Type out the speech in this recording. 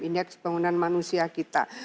indeks pembangunan manusia kita